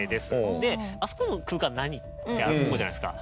であそこの空間何？って思うじゃないですか。